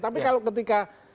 tapi kalau ketika